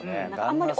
あんまり。